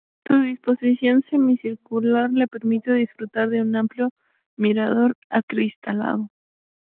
Su disposición semicircular le permite disfrutar de un amplio mirador acristalado.